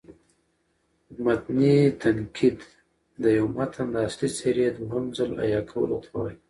متني تنقید: د یو متن د اصلي څېرې دوهم ځل احیا کولو ته وايي.